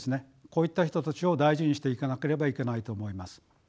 こういった人たちを大事にしていかなければいけないと思います。